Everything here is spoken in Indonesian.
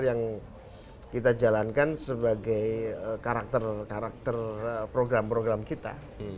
yang kita jalankan sebagai karakter karakter program program kita